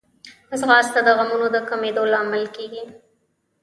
ځغاسته د غمونو د کمېدو لامل کېږي